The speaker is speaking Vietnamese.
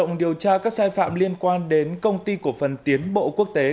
mở rộng điều tra các sai phạm liên quan đến công ty cổ phần tiến bộ quốc tế